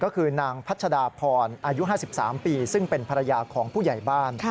ก็คือนางพัชดาพรอายุ๕๓ปีซึ่งเป็นภรรยาของผู้ใหญ่บ้าน